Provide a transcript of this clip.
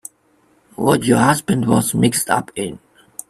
What your husband was mixed up in.